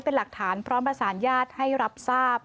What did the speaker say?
เป็นหลักฐานพร้อมประสานญาติให้รับทราบ